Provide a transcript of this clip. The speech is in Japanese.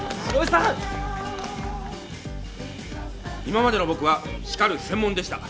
今までの僕は叱る専門でした。